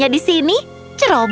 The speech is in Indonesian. kau akan menangkapku fluff